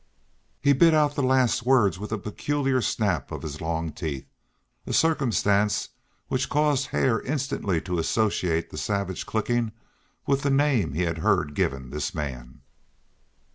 He bit out the last words with a peculiar snap of his long teeth, a circumstance which caused Hare instantly to associate the savage clicking with the name he had heard given this man.